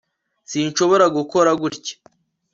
sinshobora gukora gutya